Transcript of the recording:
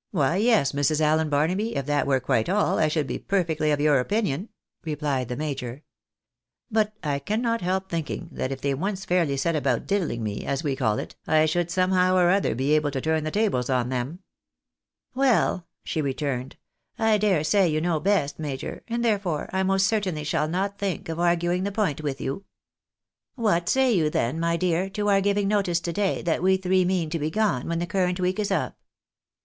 " Why yes, Mrs. Allen Barnaby, if that were quite all, I should be perfectly of your opinion," rephed the major. " But I cannot help thinking that if they once fairly set about diddling me, as we call it, I should somehow or other be able to turn the tables on them." ATTRACTIVE POWER OF DOLLARS. 273 " Well," slie returned, " I dare say yon know best, major, and therefore I most certainly shall not think of arguing the point with you. "\Miat say you then, my dear, to our giving notice to day that we three mean to be gone when the current week is up?